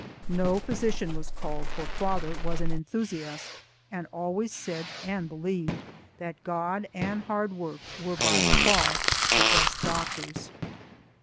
No physician was called, for father was an enthusiast, and always said and believed that God and hard work were by far the best doctors.